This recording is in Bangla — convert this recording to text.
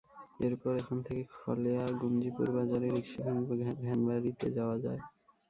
এরপর এখান থেকে খলেয়া গুঞ্জিপুর বাজারে রিকশা কিংবা ভ্যানগাড়িতে যাওয়া যায়।